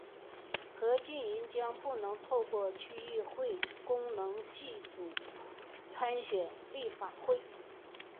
何俊仁将不能透过区议会功能组别参选立法会。